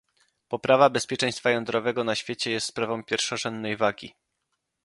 Poprawa bezpieczeństwa jądrowego na świecie jest sprawą pierwszorzędnej wagi